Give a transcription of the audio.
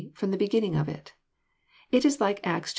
f)rom the beginning of. It is like Acts ill.